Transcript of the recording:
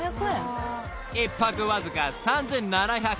［１泊わずか３，７００円より］